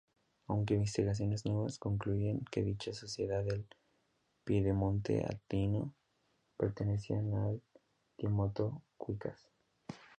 Aunque investigaciones nuevas concluyen que dicha sociedad del piedemonte andino, pertenecían a los Timoto-cuicas.